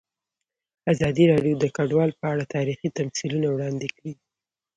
ازادي راډیو د کډوال په اړه تاریخي تمثیلونه وړاندې کړي.